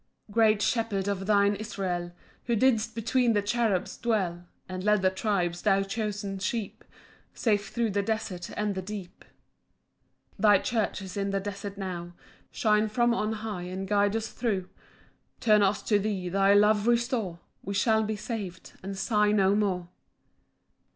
1 Great Shepherd of thine Israel, Who didst between the cherubs dwell, And led the tribes, thy chosen sheep, Safe thro' the desert and the deep. 2 Thy church is in the desert now, Shine from on high and guide us thro'; Turn us to thee, thy love restore, We shall be sav'd, and sigh no more.